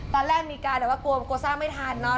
ตอนแรกมีการแบบว่ากลัวสร้างไม่ทันเนาะ